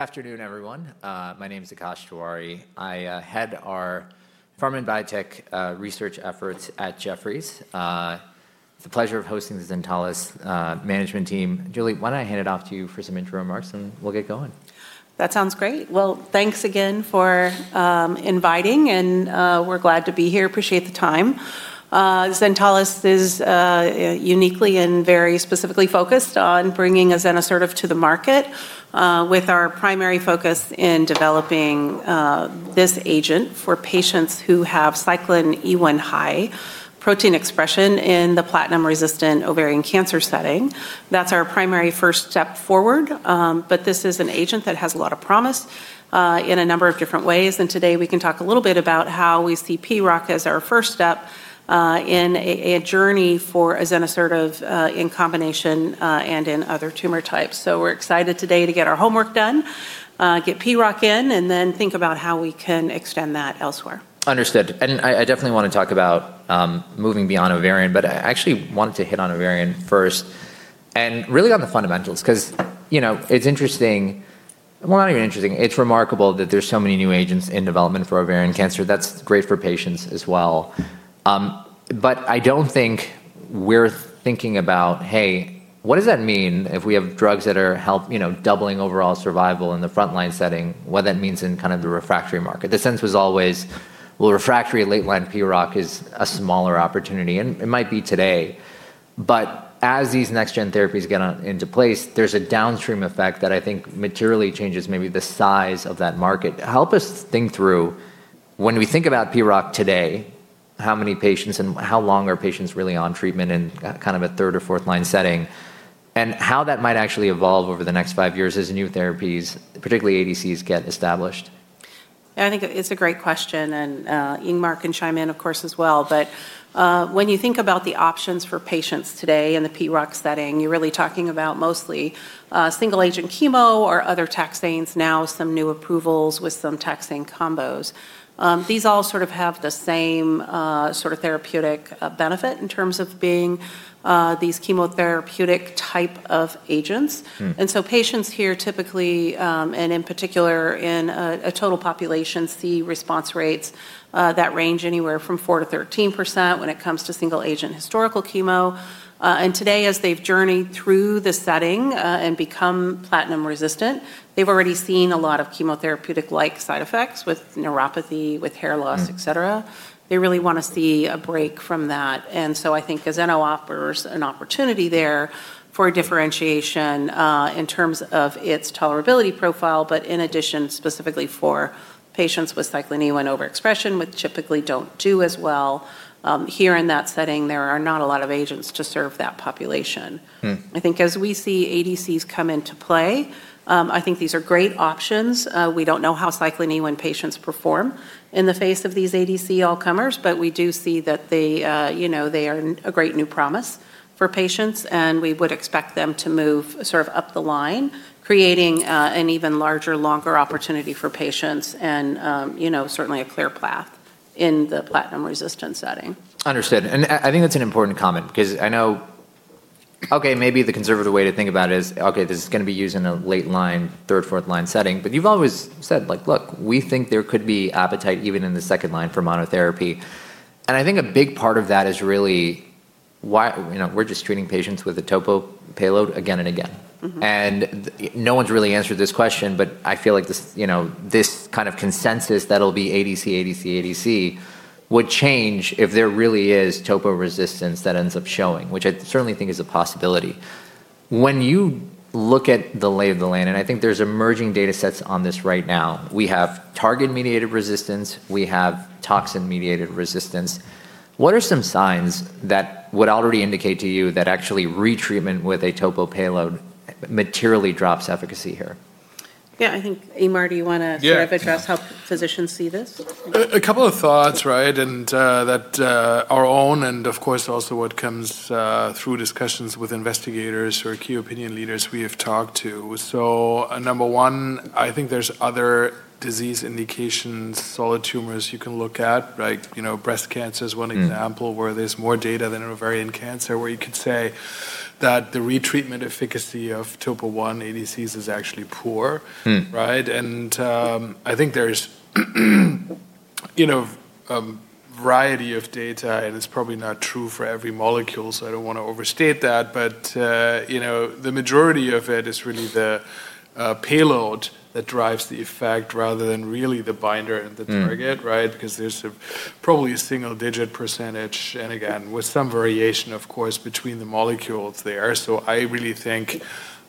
Afternoon, everyone. My name's Akash Tewari. I head our Pharma and Biotech research efforts at Jefferies. It's a pleasure of hosting the Zentalis management team. Julie, why don't I hand it off to you for some intro remarks, and we'll get going. That sounds great. Well, thanks again for inviting, and we're glad to be here. Appreciate the time. Zentalis is uniquely and very specifically focused on bringing azenosertib to the market, with our primary focus in developing this agent for patients who have cyclin E1 high protein expression in the platinum-resistant ovarian cancer setting. That's our primary first step forward, but this is an agent that has a lot of promise in a number of different ways. Today, we can talk a little bit about how we see PROC as our first step in a journey for azenosertib in combination and in other tumor types. We're excited today to get our homework done, get PROC in, and then think about how we can extend that elsewhere. Understood. I definitely want to talk about moving beyond ovarian, but I actually wanted to hit on ovarian first and really on the fundamentals because it's interesting. Well, not even interesting. It's remarkable that there's so many new agents in development for ovarian cancer. That's great for patients as well. I don't think we're thinking about, hey, what does that mean if we have drugs that are doubling overall survival in the frontline setting, what that means in the refractory market? The sense was always, well, refractory and late-line PROC is a smaller opportunity, and it might be today. As these next-gen therapies get into place, there's a downstream effect that I think materially changes maybe the size of that market. Help us think through, when we think about PROC today, how many patients and how long are patients really on treatment in a third or fourth-line setting, and how that might actually evolve over the next five years as new therapies, particularly ADCs, get established. I think it's a great question. Ingmar can chime in, of course, as well. When you think about the options for patients today in the PROC setting, you're really talking about mostly single-agent chemo or other taxanes, now some new approvals with some taxane combos. These all have the same therapeutic benefit in terms of being these chemotherapeutic type of agents. Patients here typically, and in particular in total population, see response rates that range anywhere from 4% to 13% when it comes to single-agent historical chemo. Today, as they've journeyed through the setting and become platinum-resistant, they've already seen a lot of chemotherapeutic-like side effects with neuropathy, with hair loss. et cetera. They really want to see a break from that. I think azenosertib offers an opportunity there for differentiation in terms of its tolerability profile, but in addition, specifically for patients with cyclin E1 overexpression, which typically don't do as well. Here in that setting, there are not a lot of agents to serve that population. I think as we see ADCs come into play, I think these are great options. We don't know how cyclin E1 patients perform in the face of these ADC all-comers, but we do see that they are a great new promise for patients, and we would expect them to move up the line, creating an even larger, longer opportunity for patients and certainly a clear path in the platinum-resistant setting. Understood. I think that's an important comment because I know, okay, maybe the conservative way to think about it is, okay, this is going to be used in a late line, third, fourth-line setting. You've always said, "Look, we think there could be appetite even in the second line for monotherapy." I think a big part of that is really we're just treating patients with a topo payload again and again. No one's really answered this question, but I feel like this consensus that it'll be ADC, ADC would change if there really is topo resistance that ends up showing, which I certainly think is a possibility. When you look at the lay of the land, and I think there's emerging data sets on this right now, we have target-mediated resistance, we have toxin-mediated resistance. What are some signs that would already indicate to you that actually retreatment with a topo payload materially drops efficacy here? Yeah. I think, Ingmar, do you want to. Yeah sort of address how physicians see this? A couple of thoughts, and that our own and, of course, also what comes through discussions with investigators who are key opinion leaders we have talked to. Number one, I think there's other disease indications, solid tumors you can look at. Breast cancer is one example where there's more data than ovarian cancer, where you could say that the retreatment efficacy of Topo1 ADCs is actually poor. Right? I think there's a variety of data, and it's probably not true for every molecule, so I don't want to overstate that, but the majority of it is really the payload that drives the effect rather than really the binder and the target. Right? Because there's probably a single-digit percentage, and again, with some variation, of course, between the molecules there. I really think,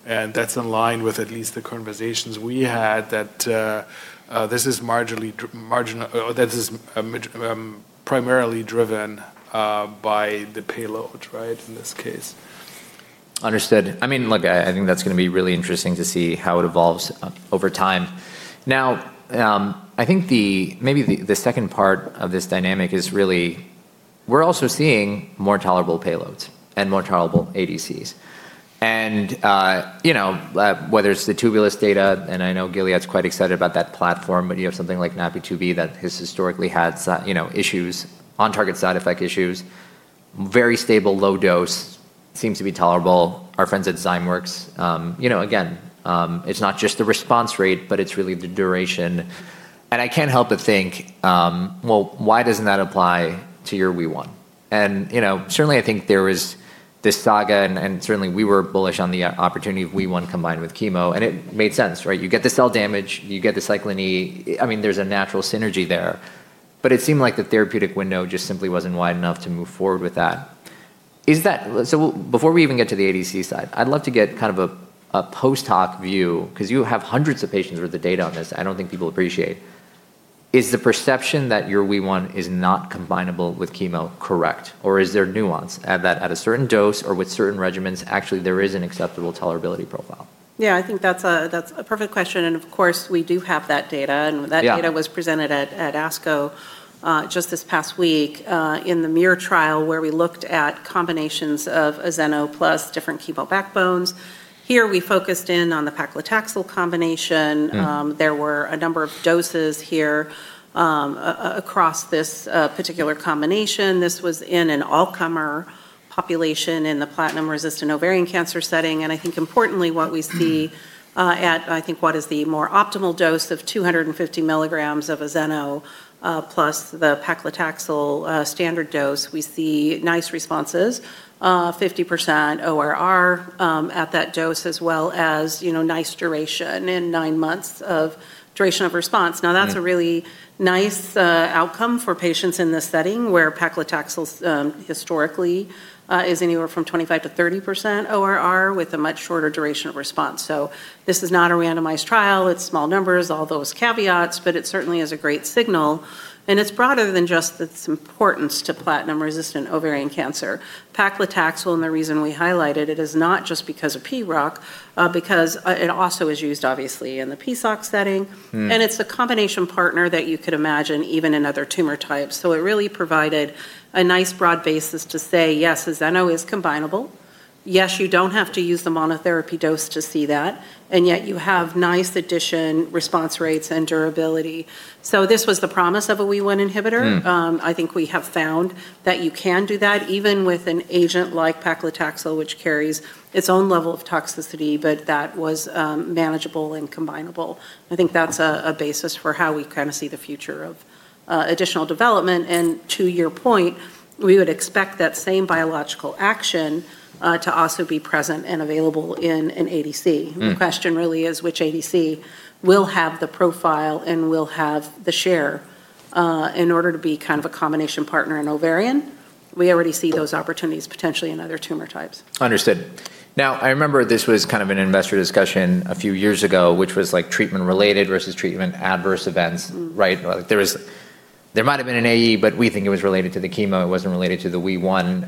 and that's in line with at least the conversations we had, that this is primarily driven by the payload, in this case. Understood. Look, I think that's going to be really interesting to see how it evolves over time. I think maybe the second part of this dynamic is really we're also seeing more tolerable payloads and more tolerable ADCs. Whether it's the tubulins data, and I know Gilead's quite excited about that platform, but you have something like NaPi2b that has historically had on-target side effect issues. Very stable, low dose seems to be tolerable. Our friends at Zymeworks, again, it's not just the response rate, but it's really the duration. I can't help but think, well, why doesn't that apply to your WEE1? Certainly, I think there was this saga, and certainly we were bullish on the opportunity of WEE1 combined with chemo, and it made sense. You get the cell damage, you get the cyclin E1. There's a natural synergy there. It seemed like the therapeutic window just simply wasn't wide enough to move forward with that. Before we even get to the ADC side, I'd love to get a post-hoc view, because you have hundreds of patients worth of data on this that I don't think people appreciate. Is the perception that your WEE1 is not combinable with chemo correct? Is there nuance, that at a certain dose or with certain regimens, actually there is an acceptable tolerability profile? Yeah, I think that's a perfect question, and of course, we do have that data. Yeah. That data was presented at ASCO just this past week in the MUIR trial, where we looked at combinations of azeno plus different chemo backbones. Here, we focused in on the paclitaxel combination. There were a number of doses here across this particular combination. This was in an all-comer population in the platinum-resistant ovarian cancer setting, I think importantly, what we see at, I think, what is the more optimal dose of 250 mg of azenosertib plus the paclitaxel standard dose, we see nice responses, 50% ORR at that dose, as well as nice duration in nine months of duration of response. Yeah. That's a really nice outcome for patients in this setting, where paclitaxel historically is anywhere from 25% to 30% ORR with a much shorter duration of response. This is not a randomized trial. It's small numbers, all those caveats, but it certainly is a great signal, and it's broader than just its importance to platinum-resistant ovarian cancer. Paclitaxel, and the reason we highlight it is not just because of PROC, because it also is used, obviously, in the PSOC setting. It's a combination partner that you could imagine even in other tumor types. It really provided a nice broad basis to say, yes, azenosertib is combinable. Yes, you don't have to use the monotherapy dose to see that, and yet you have nice addition response rates and durability. This was the promise of a WEE1 inhibitor. I think we have found that you can do that even with an agent like paclitaxel, which carries its own level of toxicity, but that was manageable and combinable. I think that's a basis for how we see the future of additional development. To your point, we would expect that same biological action to also be present and available in an ADC. The question really is which ADC will have the profile and will have the share in order to be a combination partner in ovarian. We already see those opportunities potentially in other tumor types. Understood. Now, I remember this was an investor discussion a few years ago, which was treatment-related versus treatment adverse events. There might've been an AE. We think it was related to the chemo, it wasn't related to the WEE1.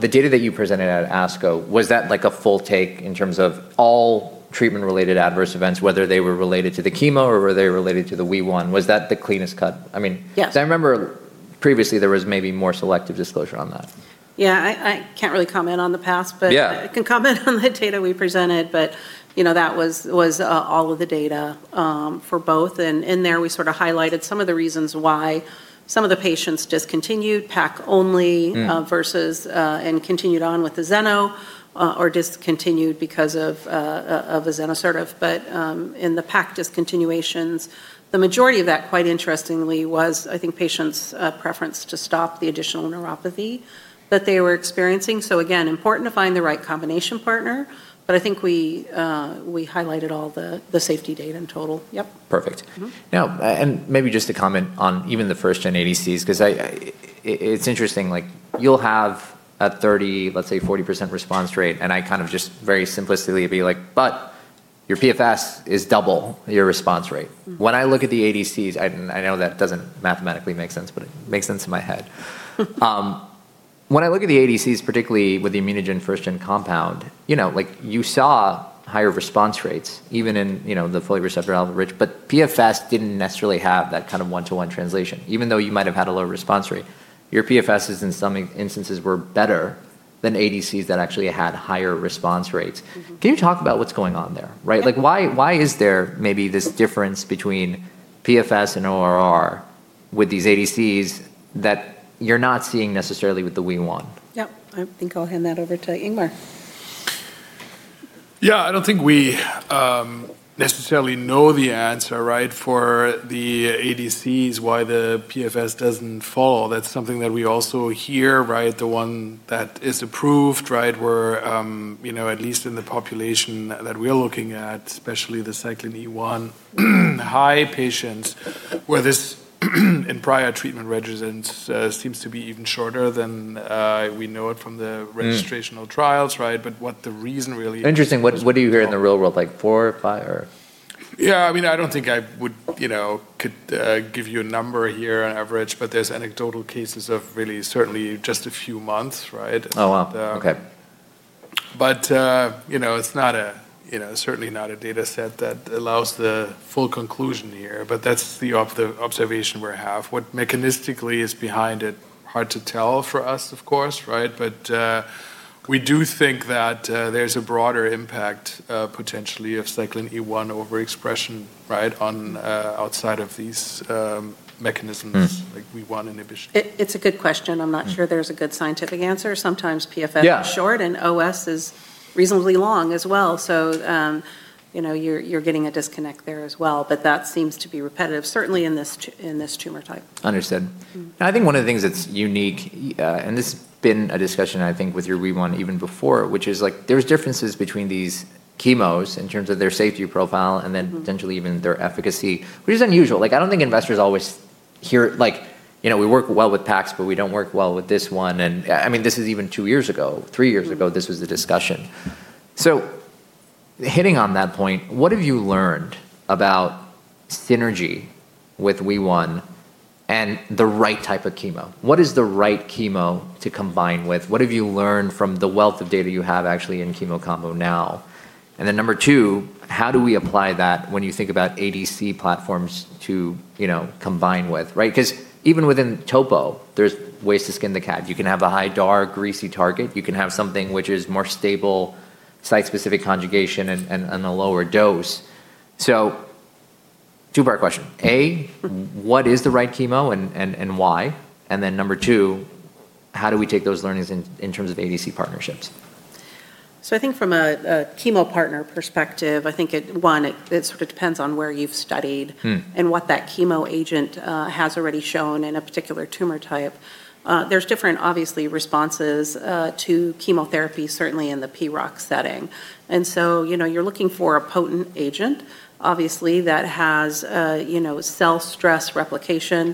The data that you presented at ASCO, was that a full take in terms of all treatment-related adverse events, whether they were related to the chemo or were they related to the WEE1? Was that the cleanest cut? Yes. I remember previously there was maybe more selective disclosure on that. Yeah. I can't really comment on the past. Yeah I can comment on the data we presented. That was all of the data for both. In there, we highlighted some of the reasons why some of the patients discontinued paclitaxel only. continued on with azeno or discontinued because of azenosertib. In the paclitaxel discontinuations, the majority of that, quite interestingly, was, I think, patients' preference to stop the additional neuropathy that they were experiencing. Again, important to find the right combination partner, but I think we highlighted all the safety data in total. Yep. Perfect. Now, maybe just to comment on even the first-gen ADCs, because it's interesting. You'll have a 30, let's say 40% response rate. I just very simplistically be like, "Your PFS is double your response rate. When I look at the ADCs, and I know that doesn't mathematically make sense, but it makes sense in my head. When I look at the ADCs, particularly with the ImmunoGen first-gen compound, you saw higher response rates even in the folate receptor alpha-rich, but PFS didn't necessarily have that kind of one-to-one translation, even though you might have had a lower response rate. Your PFSs in some instances were better than ADCs that actually had higher response rates. Can you talk about what's going on there? Yeah. Why is there maybe this difference between PFS and ORR with these ADCs that you're not seeing necessarily with the WEE1? Yep. I think I'll hand that over to Ingmar. Yeah, I don't think we necessarily know the answer for the ADCs why the PFS doesn't follow. That's something that we also hear. The one that is approved, where at least in the population that we're looking at, especially the cyclin E1 high patients, where this in prior treatment regimens seems to be even shorter than we know it from the registrational- trials. what the reason really is. Interesting. What do you hear in the real world? Like four, five, or. Yeah, I don't think I could give you a number here on average, but there's anecdotal cases of really certainly just a few months. Oh, wow. Okay. It's certainly not a data set that allows the full conclusion here, but that's the observation we have. What mechanistically is behind it, hard to tell for us, of course. We do think that there's a broader impact, potentially, of cyclin E1 overexpression outside of these mechanisms, like WEE1 inhibition. It's a good question. I'm not sure there's a good scientific answer. Yeah is short, and OS is reasonably long as well. You're getting a disconnect there as well, but that seems to be repetitive, certainly in this tumor type. Understood. I think one of the things that's unique, and this has been a discussion, I think, with your WEE1 even before, which is there's differences between these chemos in terms of their safety profile, and then potentially even their efficacy, which is unusual. I don't think investors always hear, "We work well with Pacs, but we don't work well with this one." This is even two years ago, three years ago, this was the discussion. Hitting on that point, what have you learned about synergy with WEE1 and the right type of chemo? What is the right chemo to combine with? What have you learned from the wealth of data you have actually in chemo combo now? Number two, how do we apply that when you think about ADC platforms to combine with? Even within topo, there's ways to skin the cat. You can have a high DAR greasy target, you can have something which is more stable site-specific conjugation, and a lower dose. Two-part question. A, what is the right chemo and why? Number two, how do we take those learnings in terms of ADC partnerships? I think from a chemo partner perspective, I think, one, it sort of depends on where you've studied- What that chemo agent has already shown in a particular tumor type. There's different, obviously, responses to chemotherapy, certainly in the PROC setting. You're looking for a potent agent, obviously, that has cell replication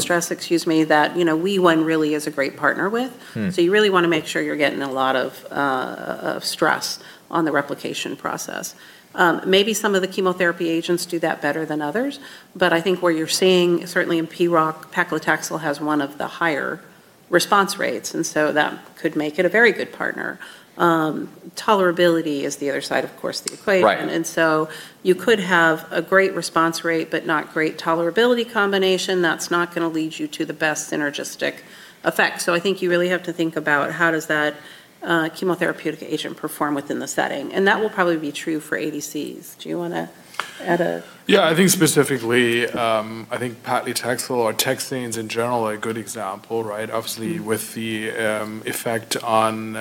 stress that WEE1 really is a great partner with. You really want to make sure you're getting a lot of stress on the replication process. Maybe some of the chemotherapy agents do that better than others, but I think where you're seeing, certainly in PROC, paclitaxel has one of the higher response rates, and so that could make it a very good partner. Tolerability is the other side, of course, of the equation. Right. You could have a great response rate, but not great tolerability combination. That's not going to lead you to the best synergistic effect. I think you really have to think about how does that chemotherapeutic agent perform within the setting, and that will probably be true for ADCs. Do you want to add a. Yeah, I think specifically, paclitaxel or taxanes in general are a good example, right? Obviously with the effect on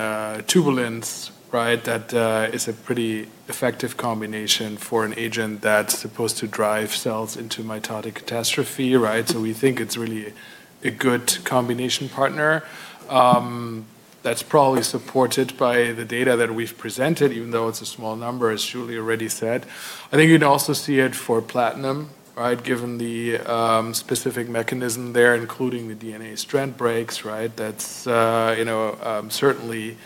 tubulins, that is a pretty effective combination for an agent that's supposed to drive cells into mitotic catastrophe. We think it's really a good combination partner. That's probably supported by the data that we've presented, even though it's a small number, as Julie already said. I think you'd also see it for platinum, given the specific mechanism there, including the DNA strand breaks. Certainly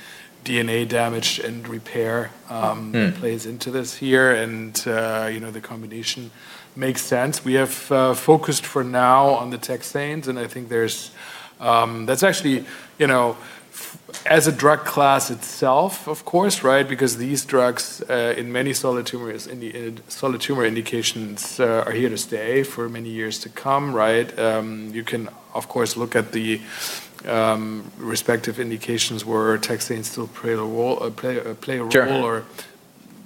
DNA damage and repair. plays into this here, and the combination makes sense. We have focused for now on the taxanes, and I think that's actually, as a drug class itself, of course, because these drugs in many solid tumor indications are here to stay for many years to come. You can, of course, look at the respective indications where taxanes still play a role. Sure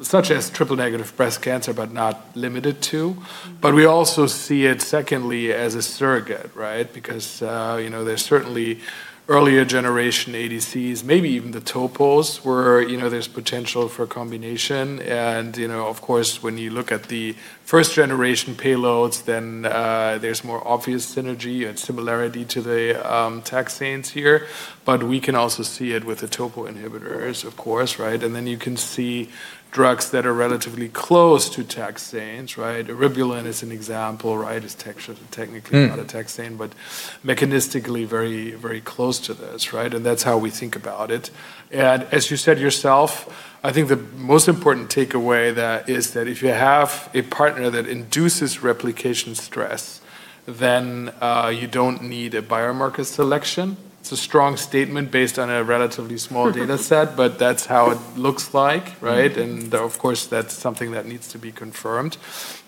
such as triple-negative breast cancer, but not limited to. We also see it, secondly, as a surrogate, because there's certainly earlier generation ADCs, maybe even the topos, where there's potential for a combination. Of course, when you look at the first-generation payloads, then there's more obvious synergy and similarity to the taxanes here. We can also see it with the topo inhibitors, of course. Then you can see drugs that are relatively close to taxanes. eribulin is an example. It's technically- not a taxane, but mechanistically very close to this, and that's how we think about it. As you said yourself, I think the most important takeaway is that if you have a partner that induces replication stress, then you don't need a biomarker selection. It's a strong statement based on a relatively small data set, but that's how it looks like. Of course, that's something that needs to be confirmed.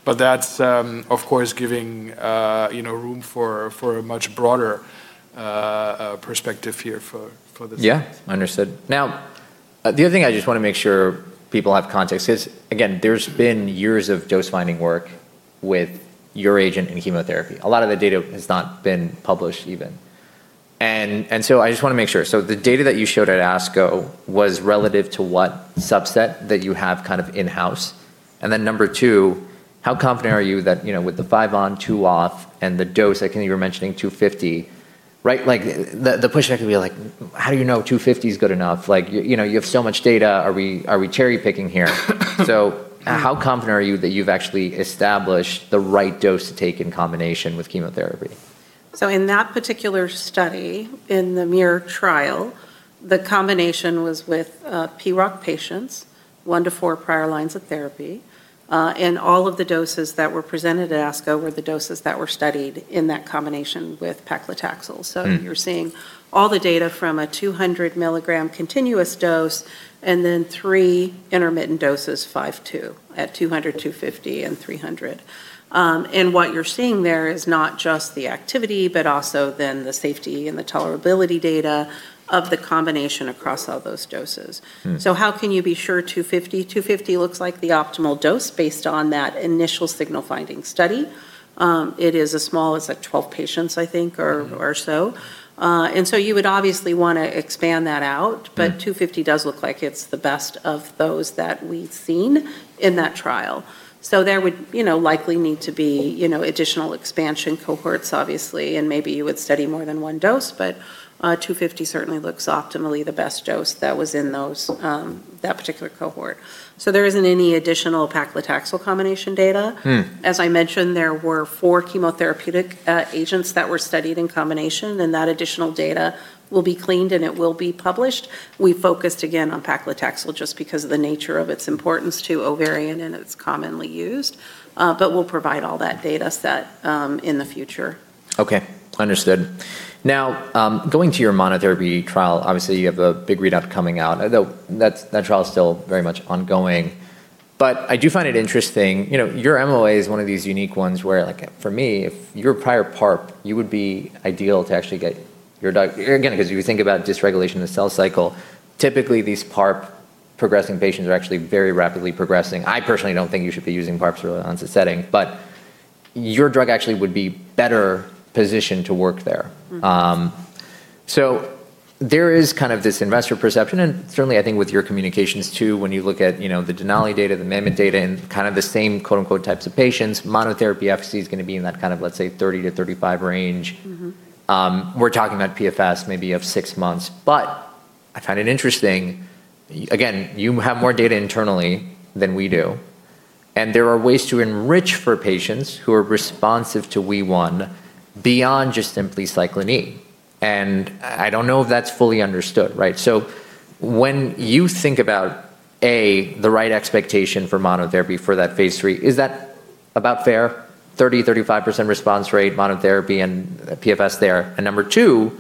That's, of course, giving room for a much broader perspective here for this. Yeah. Understood. The other thing I just want to make sure people have context is, again, there's been years of dose-finding work with your agent in chemotherapy. A lot of the data has not been published even. I just want to make sure. The data that you showed at ASCO was relative to what subset that you have in-house? Number two, how confident are you that with the five on, two off, and the dose, I think you were mentioning 250. The pushback could be like, "How do you know 250 is good enough? You have so much data. Are we cherry-picking here?" How confident are you that you've actually established the right dose to take in combination with chemotherapy? In that particular study, in the MUIR trial, the combination was with PROC patients, one to four prior lines of therapy. All of the doses that were presented at ASCO were the doses that were studied in that combination with paclitaxel. You're seeing all the data from a 200 mg continuous dose, and then three intermittent doses, five, two at 200, 250, and 300. What you're seeing there is not just the activity, but also then the safety and the tolerability data of the combination across all those doses. How can you be sure 250 looks like the optimal dose based on that initial signal finding study. It is as small as 12 patients, I think, or so. You would obviously want to expand that out. 250 does look like it's the best of those that we've seen in that trial. There would likely need to be additional expansion cohorts, obviously, and maybe you would study more than one dose, but 250 certainly looks optimally the best dose that was in that particular cohort. There isn't any additional paclitaxel combination data. As I mentioned, there were four chemotherapeutic agents that were studied in combination, and that additional data will be cleaned, and it will be published. We focused again on paclitaxel just because of the nature of its importance to ovarian and it's commonly used. We'll provide all that data set in the future. Okay. Understood. Going to your monotherapy trial, obviously, you have a big readout coming out, although that trial is still very much ongoing. I do find it interesting, your MOA is one of these unique ones where, for me, if your prior PARP, you would be ideal to actually get your. Again, because you think about dysregulation of the cell cycle, typically these PARP-progressing patients are actually very rapidly progressing. I personally don't think you should be using PARPs for a 1L setting. Your drug actually would be better positioned to work there. There is this investor perception, and certainly, I think with your communications, too, when you look at the DENALI data, the MAMMOTH data, and the same quote, unquote, "types of patients," monotherapy efficacy is going to be in that let's say 30-35 range. We're talking about PFS maybe of six months. I found it interesting, again, you have more data internally than we do, and there are ways to enrich for patients who are responsive to WEE1 beyond just simply cyclin E. I don't know if that's fully understood. When you think about, A, the right expectation for monotherapy for that phase III, is that about fair, 30%, 35% response rate monotherapy and PFS there? Number two,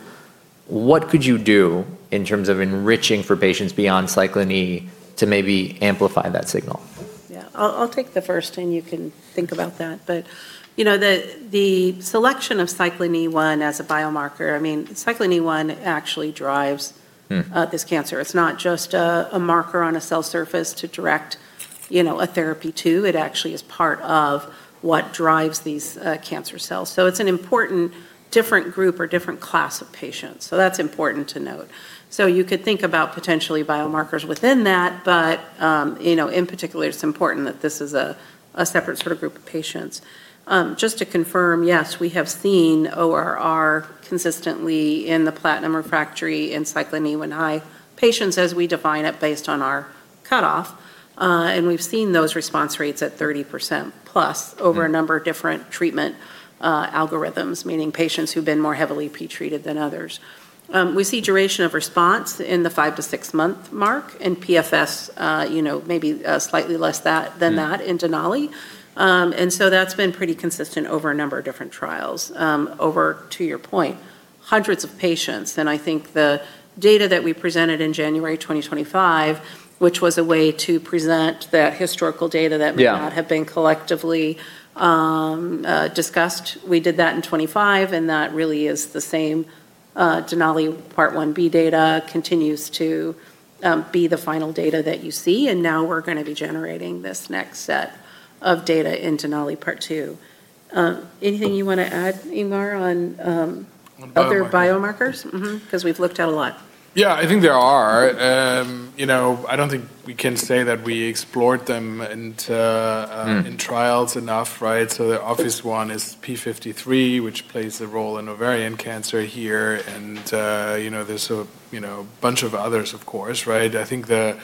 what could you do in terms of enriching for patients beyond cyclin E to maybe amplify that signal? Yeah. I'll take the first, and you can think about that. The selection of cyclin E1 as a biomarker, cyclin E1 actually drives. this cancer. It's not just a marker on a cell surface to direct a therapy to. It actually is part of what drives these cancer cells. It's an important different group or different class of patients. That's important to note. You could think about potentially biomarkers within that. In particular, it's important that this is a separate group of patients. Just to confirm, yes, we have seen ORR consistently in the platinum refractory and cyclin E1 high patients as we define it based on our cutoff. We've seen those response rates at 30%+. over a number of different treatment algorithms, meaning patients who've been more heavily pretreated than others. We see duration of response in the five to six month mark and PFS maybe slightly less than that. in DENALI. That's been pretty consistent over a number of different trials. Over, to your point, hundreds of patients. I think the data that we presented in January 2025, which was a way to present that historical data. Yeah may not have been collectively discussed. We did that in 2025, that really is the same DENALI Part I-B data continues to be the final data that you see. Now we're going to be generating this next set of data in DENALI Part II. Anything you want to add, Ingmar? On biomarkers? other biomarkers? Mm-hmm. Because we've looked at a lot. Yeah, I think there are. I don't think we can say that we explored them in- trials enough. The obvious one is P53, which plays a role in ovarian cancer here. There's a bunch of others, of course. I think the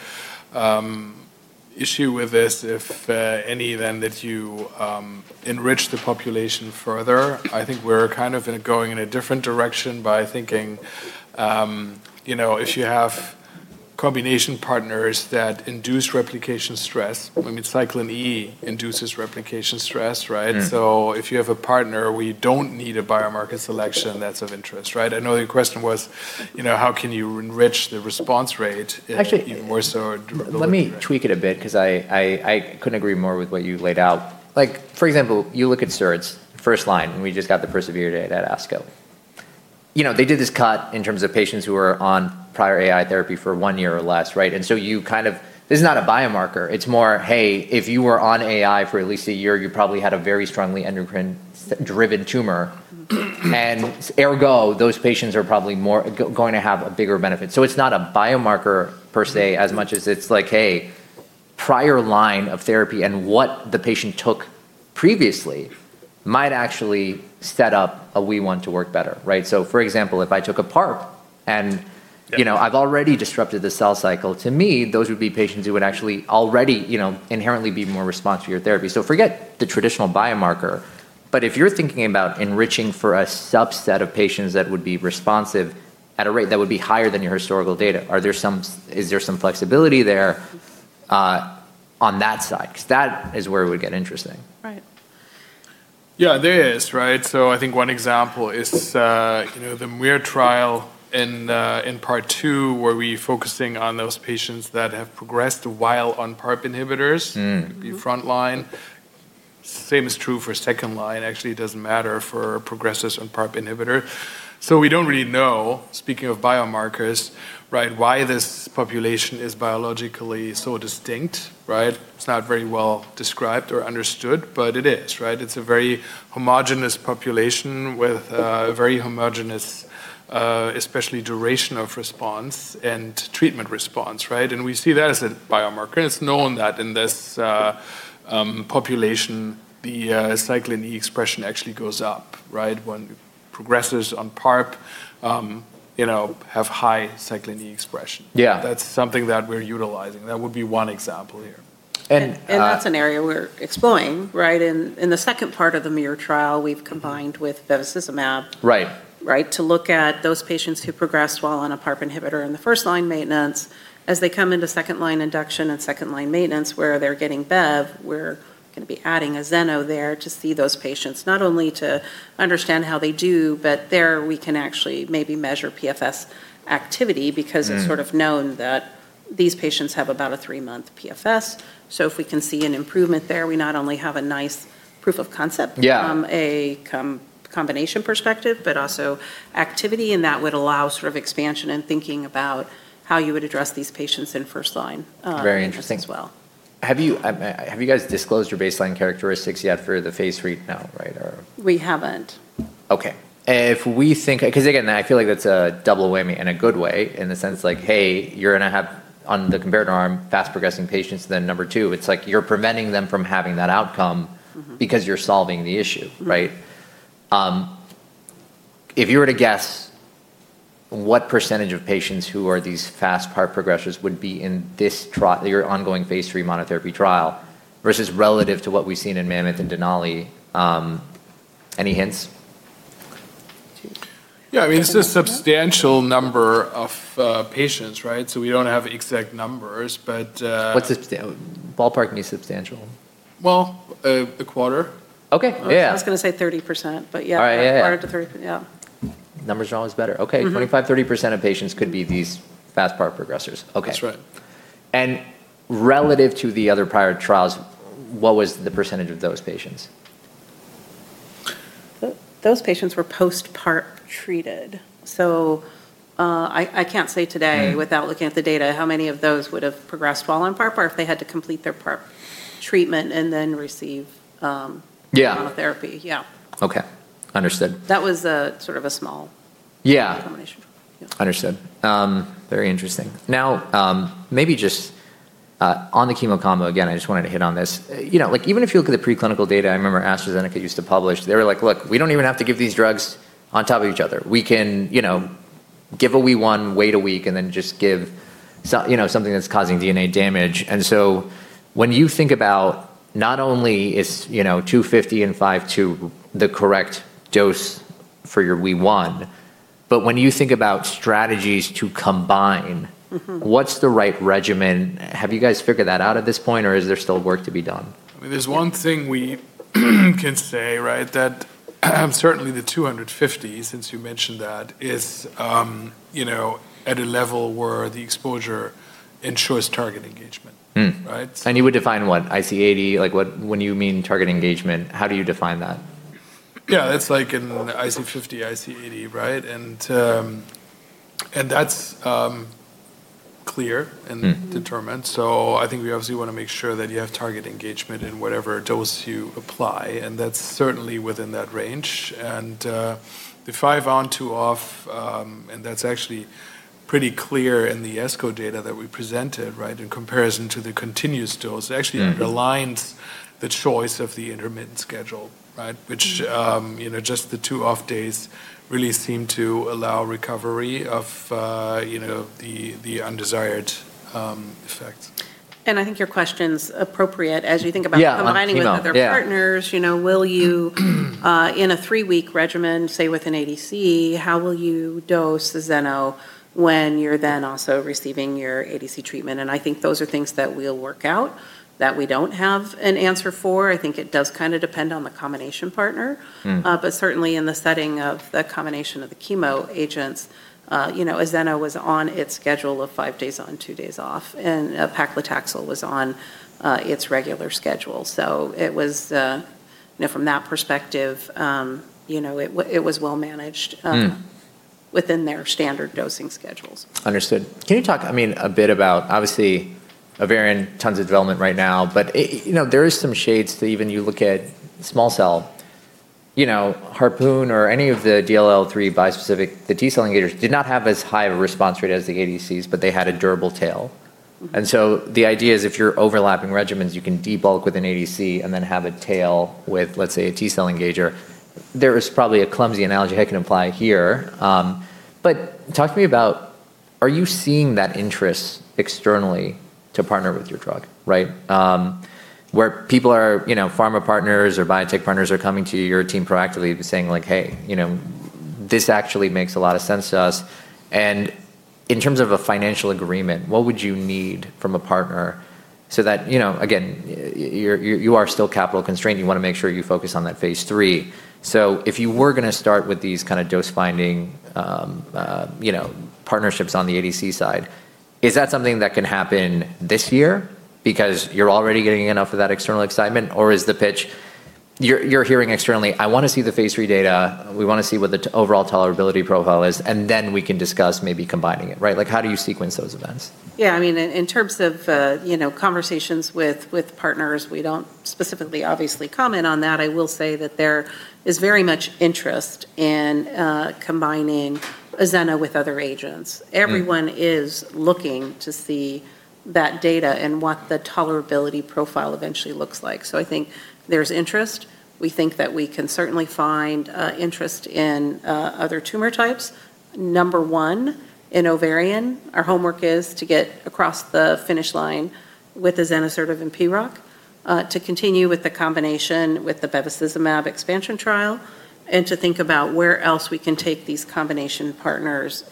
issue with this, if any, if you enrich the population further, I think we're going in a different direction by thinking if you have combination partners that induce replication stress, cyclin E induces replication stress. If you have a partner, we don't need a biomarker selection that's of interest. I know your question was how can you enrich the response rate even more so. Actually, let me tweak it a bit because I couldn't agree more with what you laid out. For example, you look at SERDs first line, and we just got the PERSEVERE data at ASCO. They did this cut in terms of patients who were on prior AI therapy for one year or less. This is not a biomarker. It's more, hey, if you were on AI for at least a year, you probably had a very strongly endocrine-driven tumor. Ergo, those patients are probably going to have a bigger benefit. It's not a biomarker per se, as much as it's like, hey, prior line of therapy and what the patient took previously might actually set up a WEE1 to work better. For example, if I took a PARP and- Yeah I've already disrupted the cell cycle, to me, those would be patients who would actually already inherently be more responsive to your therapy. Forget the traditional biomarker. If you're thinking about enriching for a subset of patients that would be responsive at a rate that would be higher than your historical data, is there some flexibility there on that side? That is where it would get interesting. Right. Yeah, there is. I think one example is the MUIR trial in Part II, where we're focusing on those patients that have progressed while on PARP inhibitors. could be frontline. Same is true for second line. Actually, it doesn't matter for progressors on PARP inhibitor. We don't really know, speaking of biomarkers, why this population is biologically so distinct. It's not very well described or understood, it is. It's a very homogeneous population with a very homogeneous, especially duration of response and treatment response. We see that as a biomarker, and it's known that in this population, the cyclin E expression actually goes up. When progressors on PARP have high cyclin E expression. Yeah. That's something that we're utilizing. That would be one example here. And- That's an area we're exploring. In the second part of the MUIR trial, we've combined with bevacizumab. Right to look at those patients who progressed while on a PARP inhibitor in the first-line maintenance. As they come into second-line induction and second-line maintenance, where they're getting bev, we're going to be adding azenosertib there to see those patients, not only to understand how they do, but there we can actually maybe measure PFS activity. it's known that these patients have about a three-month PFS. If we can see an improvement there, we not only have a nice proof of concept. Yeah from a combination perspective, but also activity, and that would allow expansion in thinking about how you would address these patients in first line. Very interesting. as well. Have you guys disclosed your baseline characteristics yet for the phase III? No, right? We haven't. Okay. Again, I feel like that's a double whammy in a good way, in the sense like, hey, you're going to have, on the comparator arm, fast-progressing patients, then number two, it's like you're preventing them from having that outcome. because you're solving the issue, right? If you were to guess, what percentage of patients who are these fast PARP progressors would be in your ongoing Phase III monotherapy trial versus relative to what we've seen in MAMMOTH and DENALI? Any hints? Yeah. It's a substantial number of patients. We don't have exact numbers. What's the ballpark in a substantial? Well, a quarter. Okay. Yeah. I was going to say 30%, but yeah. All right. Yeah. A quarter to 30. Yeah. Number's always better. Okay. 25, 30% of patients could be these fast PARP progressors. Okay. That's right. Relative to the other prior trials, what was the percentage of those patients? Those patients were post-PARP treated. I can't say today. Without looking at the data, how many of those would've progressed while on PARP, or if they had to complete their PARP treatment and then receive? Yeah monotherapy. Yeah. Okay. Understood. That was a small- Yeah combination. Yeah. Understood. Very interesting. Maybe just on the chemo combo, again, I just wanted to hit on this. Even if you look at the preclinical data, I remember AstraZeneca used to publish. They were like, "Look, we don't even have to give these drugs on top of each other. We can give a WEE1, wait a week, then just give something that's causing DNA damage." When you think about not only is 250 and five, two the correct dose for your WEE1, when you think about strategies to combine- What's the right regimen? Have you guys figured that out at this point, or is there still work to be done? There's one thing we can say, that certainly the 250, since you mentioned that, is at a level where the exposure ensures target engagement. Right? You would define what IC80 when you mean target engagement, how do you define that? Yeah. It's like an IC50, IC80, right? That's clear and. determined. I think we obviously want to make sure that you have target engagement in whatever dose you apply, and that's certainly within that range. The five on, two off, and that's actually pretty clear in the ASCO data that we presented, in comparison to the continuous dose. aligns the choice of the intermittent schedule, which just the two off days really seem to allow recovery of the undesired effects. I think your question's appropriate as you think about. Yeah combining- Chemo. Yeah. with other partners. Will you in a three-week regimen, say with an ADC, how will you dose azeno when you're then also receiving your ADC treatment? I think those are things that we'll work out that we don't have an answer for. I think it does depend on the combination partner. Certainly in the setting of the combination of the chemo agents, azeno was on its schedule of five days on, two days off, and paclitaxel was on its regular schedule. From that perspective, it was well managed. within their standard dosing schedules. Understood. Can you talk a bit about, obviously, ovarian, tons of development right now. There is some shades that even you look at small cell. Harpoon or any of the DLL3 bispecific, the T-cell engagers did not have as high of a response rate as the ADCs. They had a durable tail. The idea is if you're overlapping regimens, you can debulk with an ADC and then have a tail with, let's say, a T-cell engager. There is probably a clumsy analogy I can apply here. Talk to me about, are you seeing that interest externally to partner with your drug? Where pharma partners or biotech partners are coming to your team proactively saying, "Hey, this actually makes a lot of sense to us." In terms of a financial agreement, what would you need from a partner? Again, you are still capital-constrained. You want to make sure you focus on that phase III. If you were going to start with these kind of dose-finding partnerships on the ADC side, is that something that can happen this year because you're already getting enough of that external excitement? Is the pitch you're hearing externally, "I want to see the phase III data. We want to see what the overall tolerability profile is, and then we can discuss maybe combining it." How do you sequence those events? Yeah. In terms of conversations with partners, we don't specifically, obviously, comment on that. I will say that there is very much interest in combining azeno with other agents. Everyone is looking to see that data and what the tolerability profile eventually looks like. I think there's interest. We think that we can certainly find interest in other tumor types. Number one, in ovarian, our homework is to get across the finish line with azenosertib and PROC, to continue with the combination with the bevacizumab expansion trial, and to think about where else we can take these combination partners.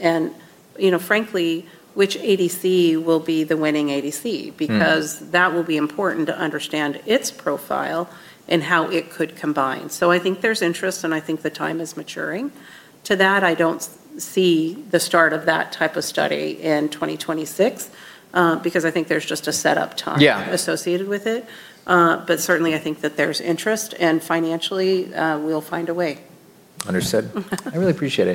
Frankly, which ADC will be the winning ADC- because that will be important to understand its profile and how it could combine. I think there's interest, and I think the time is maturing. To that, I don't see the start of that type of study in 2026, because I think there's just a setup time. Yeah associated with it. Certainly, I think that there's interest, and financially, we'll find a way. Understood. I really appreciate it.